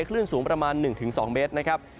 คลื่นสูงประมาณ๑๒เมตรนะครับ